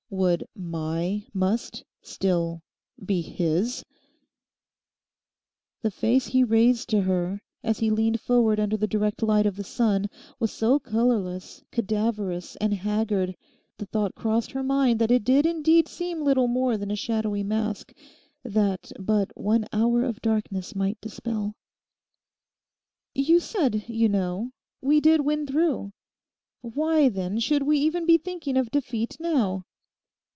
'Would my "must" still be his?' The face he raised to her, as he leaned forward under the direct light of the sun, was so colourless, cadaverous and haggard, the thought crossed her mind that it did indeed seem little more than a shadowy mask that but one hour of darkness might dispel. 'You said, you know, we did win through. Why then should we be even thinking of defeat now?